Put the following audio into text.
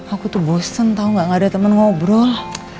aku tuh bosen tau gak ada temen ngobrol